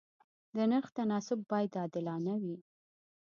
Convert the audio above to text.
د نرخ تناسب باید عادلانه وي.